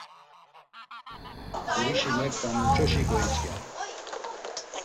Gurişi neǩna muç̌oşi gointzǩen?